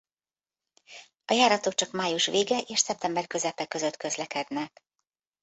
A járatok csak május vége és szeptember közepe között közlekednek.